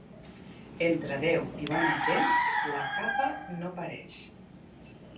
Entre Déu i bones gents, la capa no pareix.